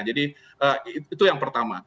jadi itu yang pertama